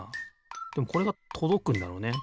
でもこれがとどくんだろうね。